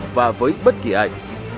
và với bất kỳ ai